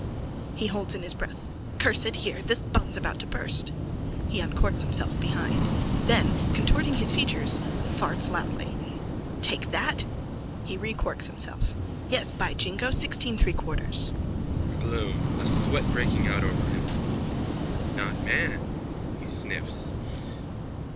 (He holds in his breath.) Curse it. Here. This bung's about burst. (He uncorks himself behind: then, contorting his features, farts loudly.) Take that! (He recorks himself.) Yes, by Jingo, sixteen three quarters. BLOOM: (A sweat breaking out over him.) Not man. _(He sniffs.)